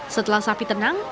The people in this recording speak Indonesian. setelah sapi tenang